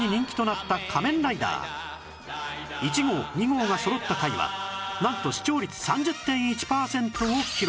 １号２号がそろった回はなんと視聴率 ３０．１ パーセントを記録！